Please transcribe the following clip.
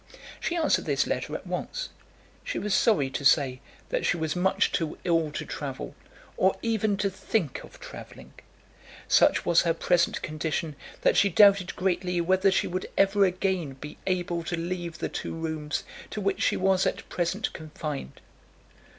She answered this letter at once. She was sorry to say that she was much too ill to travel, or even to think of travelling. Such was her present condition that she doubted greatly whether she would ever again be able to leave the two rooms to which she was at present confined.